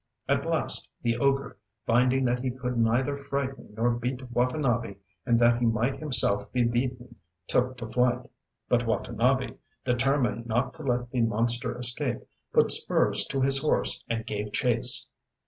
At last the ogre, finding that he could neither frighten nor beat Watanabe and that he might himself be beaten, took to flight. But Watanabe, determined not to let the monster escape, put spurs to his horse and gave chase.